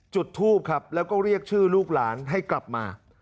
จุดทูปครับแล้วก็เรียกชื่อลูกหลานให้กลับมา